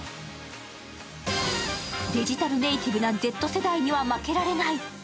デジタルネイティブなＺ世代には負けられない。